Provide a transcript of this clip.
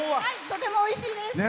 とてもおいしいです。